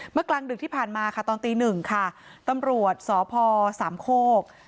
กลางดึกที่ผ่านมาค่ะตอนตีหนึ่งค่ะตำรวจสพสามโคก